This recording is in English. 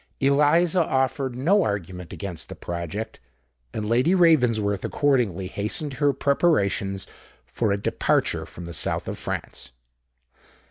Eliza offered no argument against the project; and Lady Ravensworth accordingly hastened her preparations for a departure from the south of France.